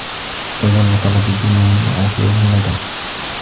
أول الغضب جنون وآخره ندم